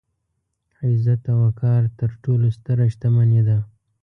عزت او وقار تر ټولو ستره شتمني ده.